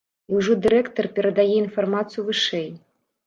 І ўжо дырэктар перадае інфармацыю вышэй.